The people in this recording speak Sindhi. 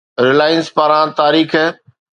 Reliance پاران تاريخ